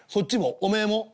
「おめえも？」。